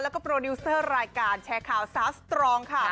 แล้วก็โปรดิวเซอร์รายการแชร์ข่าวสาวสตรองค่ะ